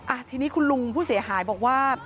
อ่ะทีนี้คุณลุงผู้เสียหายบอกว่า